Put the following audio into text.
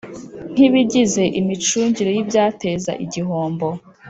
nk ibigize imicungire y ibyateza igihombo